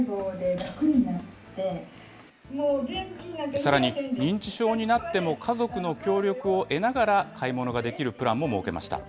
さらに、認知症になっても家族の協力を得ながら買い物ができるプランも設けました。